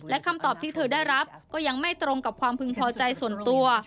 และคำตอบที่เธอได้รับก็ยังไม่ตรงกับความพึงพอใจส่วนตัว